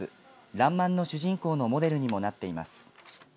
らんまんの主人公のモデルにもなっています。